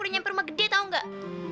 udah nyamper rumah gede tau gak